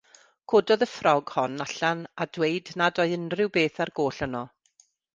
Cododd y ffrog hon allan a dweud nad oedd unrhyw beth ar goll yno.